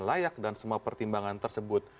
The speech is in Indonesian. layak dan semua pertimbangan tersebut